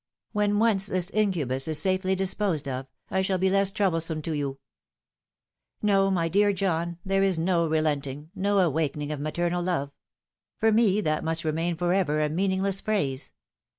When once this incubus is safely disposed of, I shall be leas troublesome to you. Liter a Scripta Manet. 335 a No, my dear John, there is no relenting, no awakening of maternal love. For me that must remain for ever a meaning less phrase.